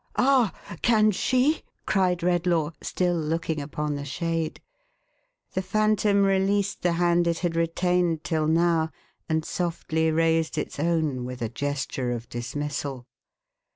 "Ah! Can she?" cried Redlaw, still looking upon the shade. The Phantom released the hand it had retained till now. and softly raised its own with a gesture of dismissal.